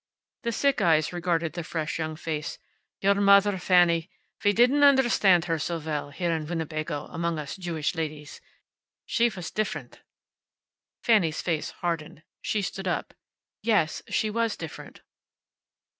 The sick eyes regarded the fresh young face. "Your mother, Fanny, we didn't understand her so well, here in Winnebago, among us Jewish ladies. She was different." Fanny's face hardened. She stood up. "Yes, she was different."